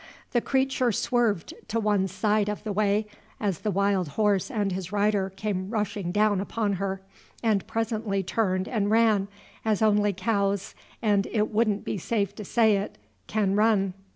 The creature swerved to one side of the way, as the wild horse and his rider came rushing down upon her, and presently turned and ran, as only cows and it would n't be safe to say it can run.